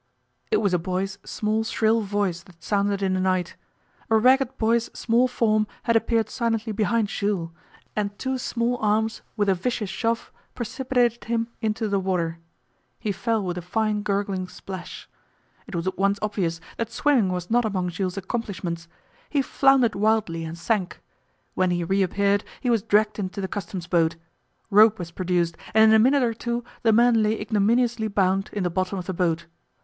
It was a boy's small shrill voice that sounded in the night. A ragged boy's small form had appeared silently behind Jules, and two small arms with a vicious shove precipitated him into the water. He fell with a fine gurgling splash. It was at once obvious that swimming was not among Jules' accomplishments. He floundered wildly and sank. When he reappeared he was dragged into the Customs boat. Rope was produced, and in a minute or two the man lay ignominiously bound in the bottom of the boat.